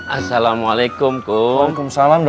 assalamualaikum warahmatullahi wabarakatuh